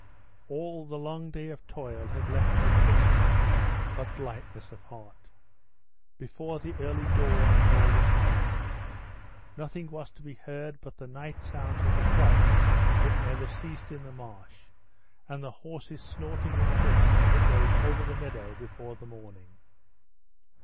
All the long day of toil had left no trace in them but lightness of heart. Before the early dawn all was hushed. Nothing was to be heard but the night sounds of the frogs that never ceased in the marsh, and the horses snorting in the mist that rose over the meadow before the morning.